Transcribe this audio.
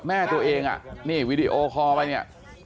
แม่ตัวเองนี่วิดีโอคอล์ไหมนี่